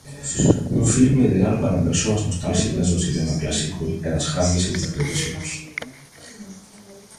Un filme ideal para persoas nostálxicas do cinema clásico e das grandes interpretacións.